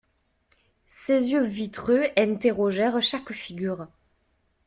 Ses yeux vitreux interrogèrent chaque figure.